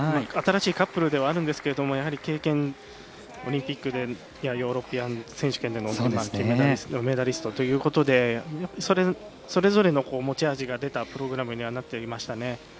新しいカップルではあるんですけどやはり経験、オリンピックやヨーロッパ選手権でのメダリストということでそれぞれの持ち味が出たプログラムになっていましたね。